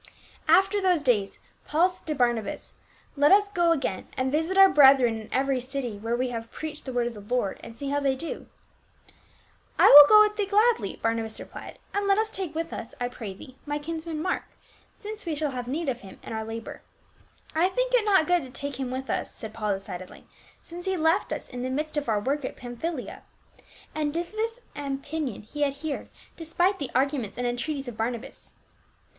"* After those days Paul said to Barnabas, " Let us go again and visit our brethren in every city where we have preached the word of the Lord, and see how they do." " I will go with thee gladly," Barnabas replied ;" and let us take with us, I pray thee, my kinsman Mark, since we shall have need of him in our labor." " I think it not good to take him with us," said Paul decidedly, " since he left us in the midst of our work at Pamphylia." And to this opinion he adhered despite the arguments and entreaties of Barnabas.